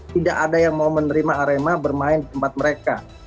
tidak ada yang mau menerima arema bermain di tempat mereka